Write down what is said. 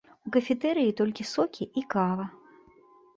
У кафетэрыі толькі сокі і кава.